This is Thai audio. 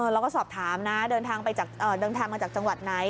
เราก็สอบถามนะเดินทางมาจากจังหวัดไหน